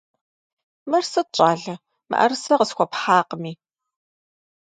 Мыр сыт, щӀалэ, мыӀэрысэ къысхуэпхьакъыми?